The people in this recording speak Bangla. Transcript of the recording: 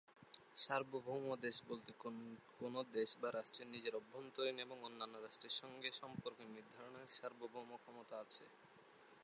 সার্বভৌম দেশ বলতে কোন দেশ বা রাষ্ট্রের নিজের অভ্যন্তরীন এবং অন্যান্য রাষ্ট্রের সঙ্গে সম্পর্ক নির্ধারণের সার্বভৌম ক্ষমতা আছে।